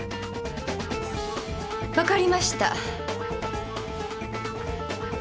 分かりました。